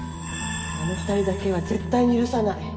あの２人だけは絶対に許さない。